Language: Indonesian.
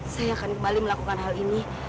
saya akan kembali melakukan hal ini